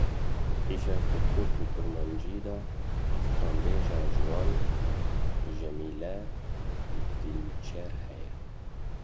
Îşev di Kurt û Kurmancî da stranbêja ciwan Cemîle Dînçer heye.